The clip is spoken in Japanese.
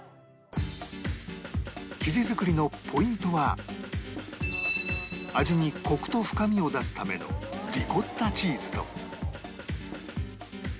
生地作りのポイントは味にコクと深みを出すためのリコッタチーズと